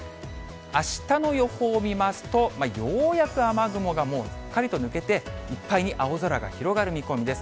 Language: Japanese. あしたの予報を見ますとようやく雨雲がもうすっかりと抜けて、いっぱいに青空が広がる見込みです。